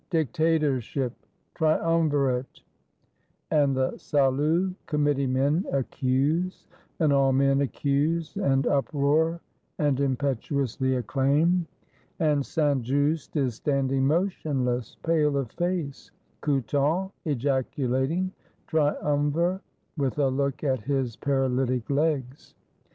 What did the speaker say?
Dictatorship! Triumvirate!" And the Salut Committee men accuse, and all men accuse, and uproar, and impetuously acclaim. And Saint Just is standing motionless, pale of face; Couthon ejaculating, "Triumvir?" with a look at his paralytic legs.